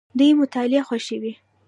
دوی مطالعه خوښوي.